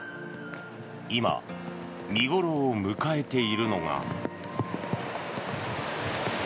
今、見頃を迎えているのが。